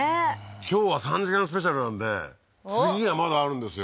今日は３時間スペシャルなんで次がまだあるんですよ